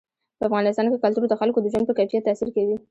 په افغانستان کې کلتور د خلکو د ژوند په کیفیت تاثیر کوي.